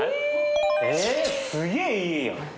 すげえいい家やん。